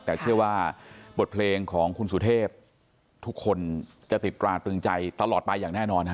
เพราะว่าเพลงของคุณสุเทพทุกคนจะติดราดเมืองใจตลอดไปอย่างแน่นอนฮะ